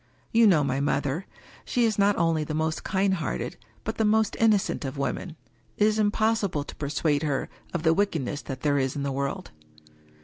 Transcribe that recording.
You know my mother: she is not only the most kind hearted, but the most inno cent of women — it is impossible to persuade her of the wickedness that there is in the world.